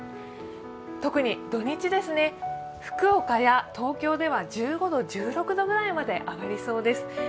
特に土日、福岡や東京では１５度、１６度ぐらいまで上がりそうです。